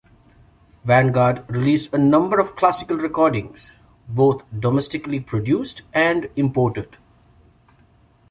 Vanguard released a number of classical recordings, both domestically-produced and imported.